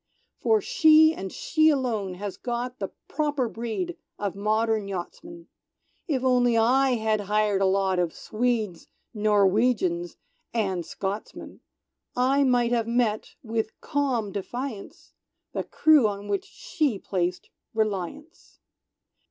"For She, and she alone, has got The proper breed of modern Yachtsmen! If only I had hired a lot Of Swedes, Norwegians and Scotsmen, I might have met, with calm defiance, The crew on which She placed Reliance.